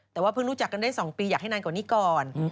แต่ว่าเพิ่งรู้จักกันได้๒ปีอยากให้นานกว่านี้ก่อน